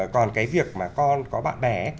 còn cái việc mà con có bạn bè